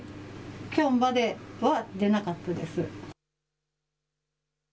きょうまでは出なかったです。